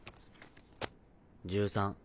１３。